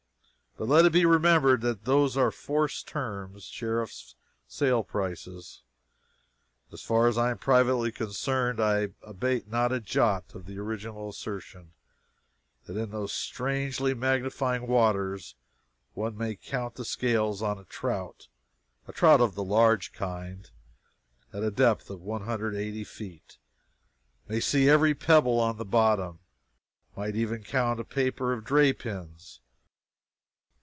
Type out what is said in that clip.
But let it be remembered that those are forced terms Sheriff's sale prices. As far as I am privately concerned, I abate not a jot of the original assertion that in those strangely magnifying waters one may count the scales on a trout (a trout of the large kind,) at a depth of a hundred and eighty feet may see every pebble on the bottom might even count a paper of dray pins.